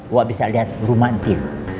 wah bisa liat rumah ntih